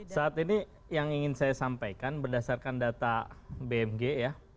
saat ini yang ingin saya sampaikan berdasarkan data bmg ya